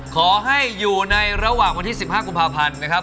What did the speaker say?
ขอให้อยู่ในระหว่างวันที่๑๕กุมภาพันธ์นะครับ